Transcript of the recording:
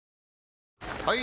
・はい！